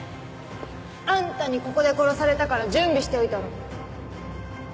あんたにここで殺されたから準備しておいたの。